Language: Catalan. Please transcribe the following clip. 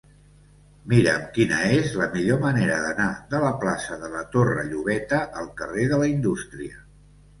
Mira'm quina és la millor manera d'anar de la plaça de la Torre Llobeta al carrer de la Indústria.